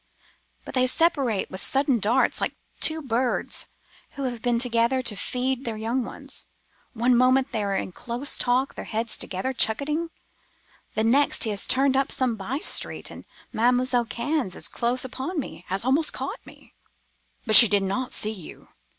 But they separate with sudden darts, like two birds who have been together to feed their young ones. One moment they are in close talk, their heads together chuchotting; the next he has turned up some bye street, and Mademoiselle Cannes is close upon me—has almost caught me.' "'But she did not see you?